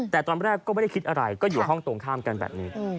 แต่ตอนแรกก็ไม่ได้คิดอะไรก็อยู่ห้องตรงข้ามกันแบบนี้